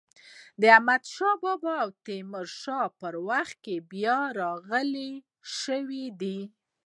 د احمد شا بابا او تیمور شاه په وخت کې بیا رغول شوې ده.